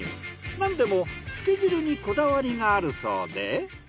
なんでもつけ汁にこだわりがあるそうで。